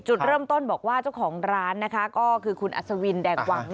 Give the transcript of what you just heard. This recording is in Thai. จุดเริ่มต้นบอกว่าเจ้าของร้านนะคะก็คือคุณอัศวินแดงวัง